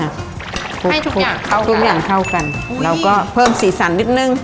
ให้ทุกอย่างเข้าทุกอย่างเข้ากันเราก็เพิ่มสีสันนิดนึง